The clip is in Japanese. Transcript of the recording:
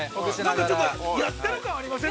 ◆なんかちょっとやってる感ありません？